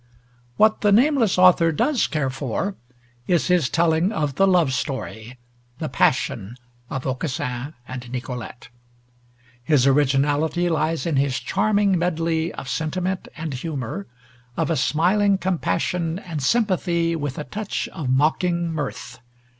What the nameless author does care for, is his telling of the love story, the passion of Aucassin and Nicolete. His originality lies in his charming medley of sentiment and humour, of a smiling compassion and sympathy with a touch of mocking mirth.